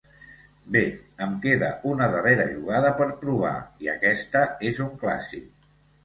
Bé, em queda una darrera jugada per provar, i aquesta és un clàssic.